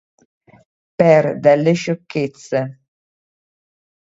Per delle sciocchezze.